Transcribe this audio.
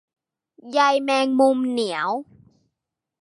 ใยแมงมุม เหนียว